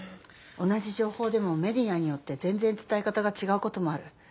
同じ情報でもメディアによって全ぜん伝え方がちがうこともある。